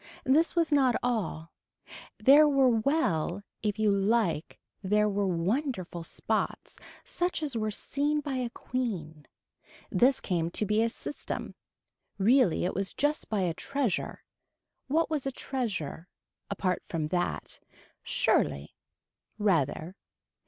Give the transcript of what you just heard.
This was not all. There were well if you like there were wonderful spots such as were seen by a queen. This came to be a system. Really it was just by a treasure. What was a treasure. Apart from that. Surely. Rather.